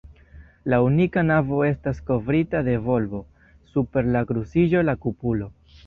La unika navo estas kovrita de volbo; super la kruciĝo, la kupolo.